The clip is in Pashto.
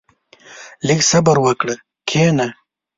• لږ صبر وکړه، کښېنه.